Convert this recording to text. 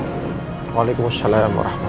waalaikumsalam warahmatullahi wabarakatuh